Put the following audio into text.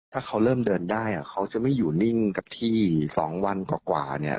ถ้าเขาเริ่มเดินได้เขาจะไม่อยู่นิ่งกับที่๒วันกว่าเนี่ย